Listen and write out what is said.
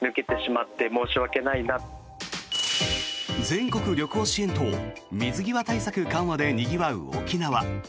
全国旅行支援と水際対策緩和でにぎわう沖縄。